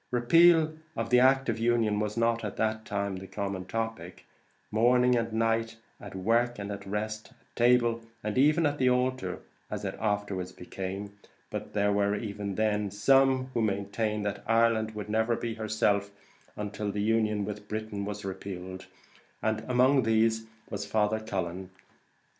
Repeal of the Union was not, at that time, the common topic, morning and night, at work and at rest, at table and even at the altar, as it afterwards became; but there were, even then, some who maintained that Ireland would never be herself, till the Union was repealed; and among these was Father Cullen.